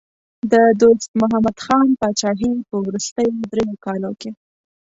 د دوست محمد خان پاچاهۍ په وروستیو دریو کالو کې.